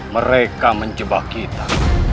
mereka menjebah kita